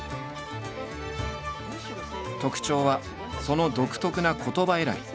特徴はその独特な言葉選び。